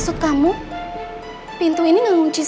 saya ingin lihat penetration